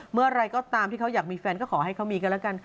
เมื่อไหร่ก็ตามที่เขาอยากมีแฟนก็ขอให้เขามีกันแล้วกัน